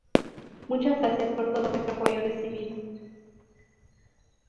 Muchas gracias por todo vuestro apoyo recibido".